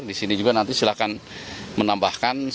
di sini juga nanti silahkan menambahkan